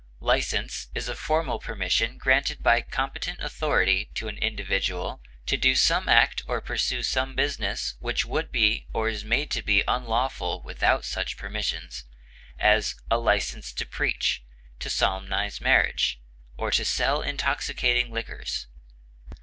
License is a formal permission granted by competent authority to an individual to do some act or pursue some business which would be or is made to be unlawful without such permission; as, a license to preach, to solemnize marriages, or to sell intoxicating liquors.